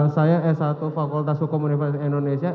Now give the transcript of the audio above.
saya s satu fakultas hukum universitas indonesia